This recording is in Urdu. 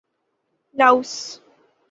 لاؤس